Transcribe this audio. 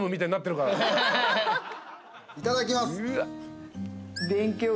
いただきます。